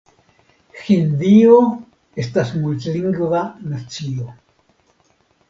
Hindio estas multlingva nacio.